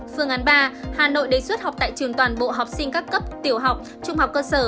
phương án ba hà nội đề xuất học tại trường toàn bộ học sinh các cấp tiểu học trung học cơ sở